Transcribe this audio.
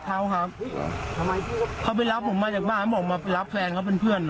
รถเขาครับเขาไปรับผมมาจากบ้านและว่ามารับแฟนเขาเป็นเพื่อนหน่อย